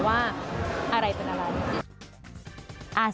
ว่าอะไรเป็นอะไร